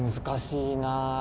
難しいなぁ。